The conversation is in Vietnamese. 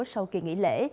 sau kỳ nghỉ lễ